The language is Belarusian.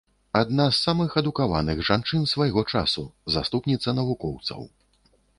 Адна з самых адукаваных жанчын свайго часу, заступніца навукоўцаў.